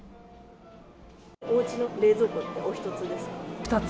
おうちの冷蔵庫ってお１つで２つ。